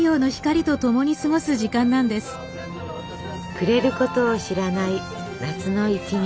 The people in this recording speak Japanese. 暮れることを知らない夏の一日。